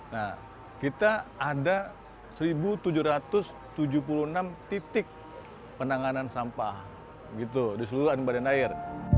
nah kita ada satu tujuh ratus tujuh puluh enam titik penanganan sampah gitu di seluruh badan air